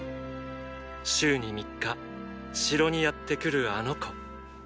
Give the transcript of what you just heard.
週に３日城にやって来るあの子